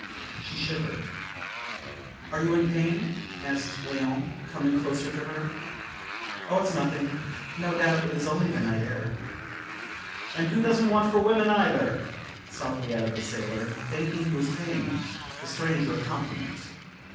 She shivered. "You are in pain?" asked Léon, coming closer to her. "Oh, it's nothing! No doubt, it is only the night air." "And who doesn't want for women, either," softly added the sailor, thinking he was paying the stranger a compliment.